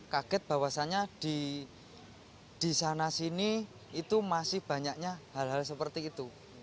kaget bahwasannya di sana sini itu masih banyaknya hal hal seperti itu